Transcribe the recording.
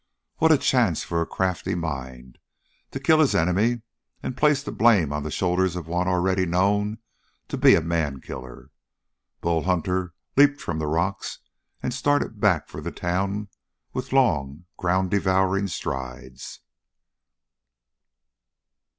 What a chance for a crafty mind! To kill his enemy and place the blame on the shoulders of one already known to be a man killer! Bull Hunter leaped from the rocks and started back for the town with long, ground devouring strides.